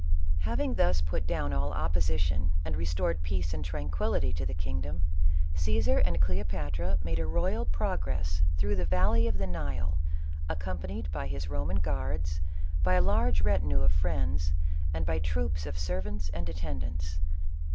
Having thus put down all opposition, and restored peace and tranquillity to the kingdom, Csesar and Cleo patra made a royal progress through the valley of the Nile, accompanied by his Koman guards, by a large retinue of friends, and by troops of servants and attend ants.